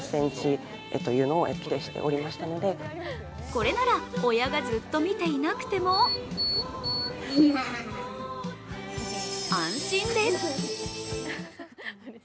これなら親がずっと見ていなくても安心です。